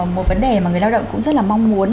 một vấn đề mà người lao động cũng rất là mong muốn